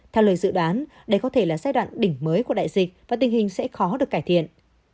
theo lời dự đoán đây có thể là giai đoạn đỉnh mới của đại dịch và tình hình sẽ khó được cải thiện